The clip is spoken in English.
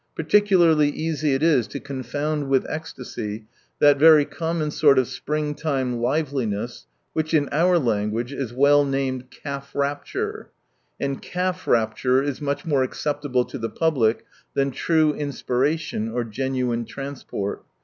Particularly easy it is to confound with ecstasy that very common sort of spring time liveliness which in our language is well named calf rapture. And calf rapture is much more acceptable to the public than true inspiration or genuine transport.